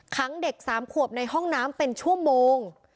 ขังเด็ก๓ขวบในห้องน้ำเป็นชั่วโมง